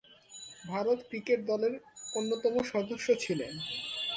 Bharat cricket দলের অন্যতম সদস্য ছিলেন।